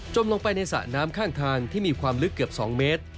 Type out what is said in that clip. ลงไปในสระน้ำข้างทางที่มีความลึกเกือบ๒เมตร